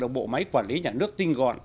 đồng bộ máy quản lý nhà nước tinh gọn